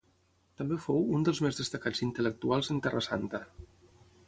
També fou un dels més destacats intel·lectuals en Terra Santa.